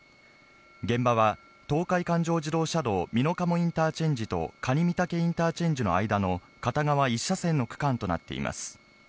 現場は、東海環状自動車道美濃加茂インターチェンジとかにみたけインターチェンジの間の片側１車線の区間となっています。